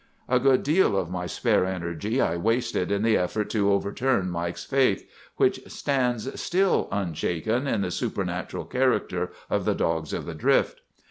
"A good deal of my spare energy I wasted in the effort to overturn Mike's faith, which stands still unshaken in the supernatural character of the Dogs of the Drift.